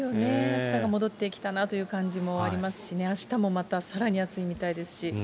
暑さが戻ってきたなという感じもありますしね、あしたもまたさらに暑いみたいですし。